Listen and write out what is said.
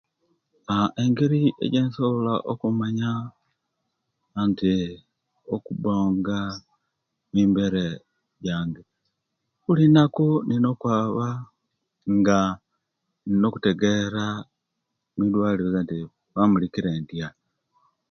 Aaa engeri ejensobola okumanya nti okubonga kwebere lyange bulinaku inina okwaba nga inina okutegera mudwaliro nti bamulikire ntya